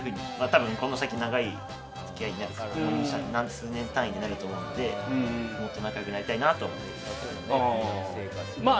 この先、長い付き合いに数年単位で、なると思うのでもっと仲良くなりたいなと思って。